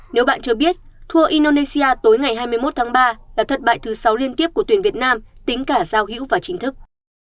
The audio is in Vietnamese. nếu bạn chưa biết thua indonesia tối ngày hai mươi một tháng ba là thất bại thứ sáu liên tiếp của tuyển việt nam tính cả giao hữu và chính thức